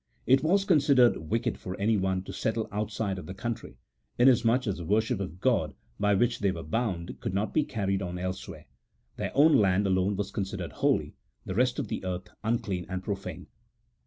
It was considered wicked for anyone to settle outside of the country, inasmuch as the worship of God by which they were bound could not be carried on elsewhere : their own land alone was considered holy, the rest of the earth unclean and profane.